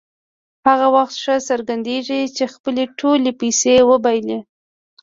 هغه وخت ښه څرګندېږي چې خپلې ټولې پیسې وبایلي.